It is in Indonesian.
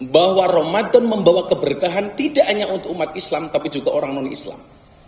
bahwa ramadan membawa keberkahan tidak hanya untuk umat islam tapi juga orang non islam